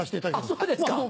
そうですか？